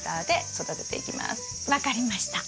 分かりました。